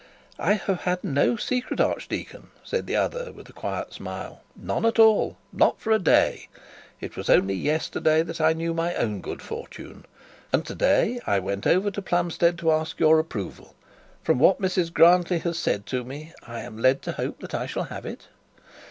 'I have had no secret, archdeacon,'said the other with a quiet smile. 'None at all not for a day. It was only yesterday that I knew my own good fortune, and to day I went over to Plumstead to ask your approval. From what Mrs Grantly has said to me, I am led to hope that I shall have it.'